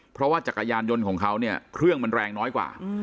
เพราะว่าจักรยานยนต์ของเขาเนี่ยเครื่องมันแรงน้อยกว่า